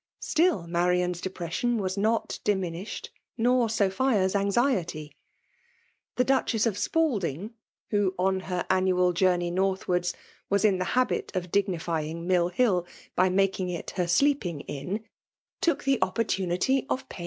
Still, Marian's depression was not diminished, nor Sophia's anxiety. The Duchess of Raiding who, on her annual journey northwards, was in the habit of dignifying Mill HiU by making it her sleeping inn, took the opportunity of •FBJIALB DOMINATICW.